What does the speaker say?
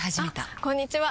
あこんにちは！